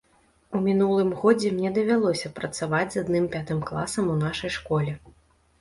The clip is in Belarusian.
У мінулым годзе мне давялося працаваць з адным пятым класам у нашай школе.